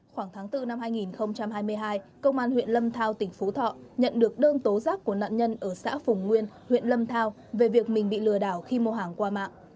khoảng tháng bốn năm hai nghìn hai mươi hai công an huyện lâm thao tỉnh phú thọ nhận được đơn tố giác của nạn nhân ở xã phùng nguyên huyện lâm thao về việc mình bị lừa đảo khi mua hàng qua mạng